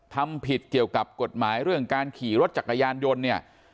ทำผิดเกี่ยวกับกฎหมายเรื่องการขี่รถจักรยานยนต์เนี่ย